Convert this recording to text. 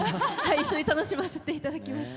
一緒に楽しませていただきました。